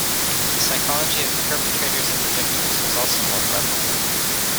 The psychology of the perpetrators and the victims was also more prevalent.